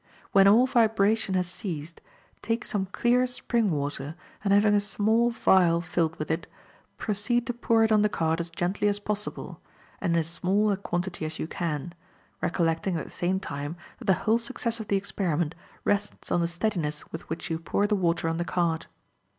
When all vibration has ceased, take some clear spring water, and having a small phial filled with it, proceed to pour it on the card as gently as possible, and in as small a quantity as you can, recollecting at the same time, that the whole success of the experiment rests on the steadiness with which you pour the water on the card.